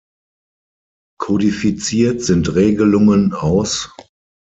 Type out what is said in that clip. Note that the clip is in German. Kodifiziert sind Regelungen aus